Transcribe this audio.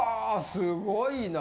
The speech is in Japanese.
すごいな。